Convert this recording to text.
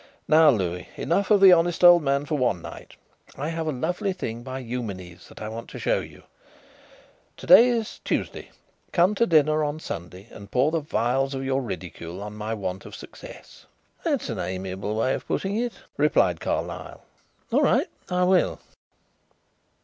Now, Louis, enough of the honest old man for one night. I have a lovely thing by Eumenes that I want to show you. To day is Tuesday. Come to dinner on Sunday and pour the vials of your ridicule on my want of success." "That's an amiable way of putting it," replied Carlyle. "All right, I will."